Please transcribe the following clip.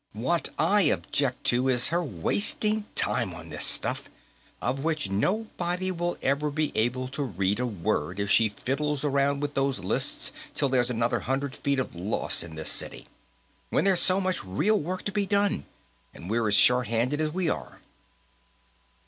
"What I object to is her wasting time on this stuff, of which nobody will ever be able to read a word if she fiddles around with those lists till there's another hundred feet of loess on this city, when there's so much real work to be done and we're as shorthanded as we are."